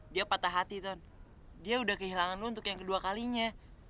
dia patah hati ton dia udah kehilangan lo untuk yang kedua kalinya